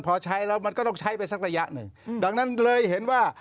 พอใช้แล้วมันก็ต้องใช้ไปสักระยะหนึ่งดังนั้นเลยเห็นว่า